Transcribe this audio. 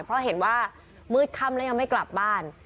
เพราะเห็นว่ามืดค่ำแล้วยังไม่กลับบ้าน